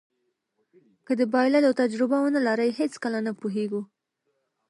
که د بایللو تجربه ونلرئ هېڅکله نه پوهېږو.